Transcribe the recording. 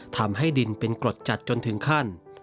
ทำให้ดินเป็นกรดจัดจนถึงขั้น